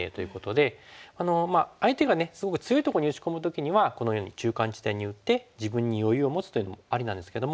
相手がすごく強いとこに打ち込む時にはこのように中間地点に打って自分に余裕を持つというのもありなんですけども。